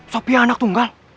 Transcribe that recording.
sophia anak tunggal